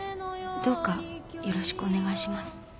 どうかよろしくお願いします」